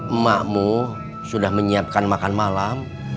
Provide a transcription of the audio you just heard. emakmu sudah menyiapkan makan malam